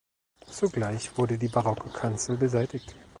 Zugleich wurde die barocke Kanzel beseitigt.